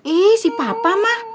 ih si papa mah